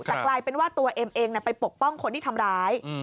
แต่กลายเป็นว่าตัวเอ็มเองไปปกป้องคนที่ทำร้าย